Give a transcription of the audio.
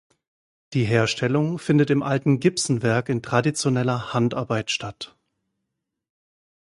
Die Herstellung findet im alten Gibson-Werk in traditioneller Handarbeit statt.